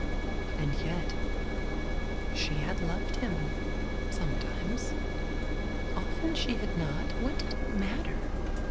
And yet she had loved him — sometimes. Often she had not. What did it matter!